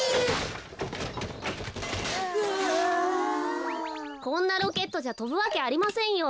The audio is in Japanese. こんなロケットじゃとぶわけありませんよ。